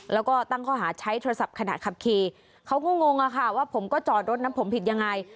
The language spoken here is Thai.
แล้วก็ตั้งข้อหาใช้โทรศัพท์ขณะขับขี่เขาก็งงอะค่ะว่าผมก็จอดรถนั้นผมผิดยังไง